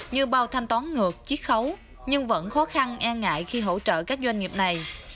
như bao thanh toán ngược chiếc khấu nhưng vẫn khó khăn e ngại khi hỗ trợ các doanh nghiệp này